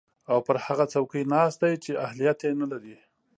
او پر هغه څوکۍ ناست دی چې اهلیت ېې نلري